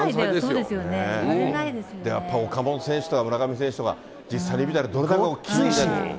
やっぱ岡本選手とか村上選手とか、実際に見たら、どれだけ大きいか。